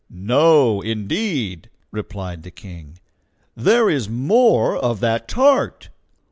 "No, indeed," replied the King. "_There is more of that tart!